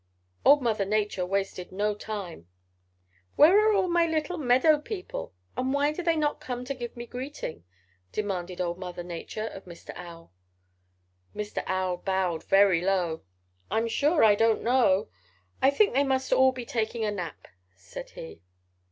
"Old Mother Nature wasted no time. 'Where are all my little meadow people and why do they not come to give me greeting?' demanded old Mother Nature of Mr. Owl. "Mr. Owl bowed very low. 'I'm sure I don't know. I think they must all be taking a nap,' said he.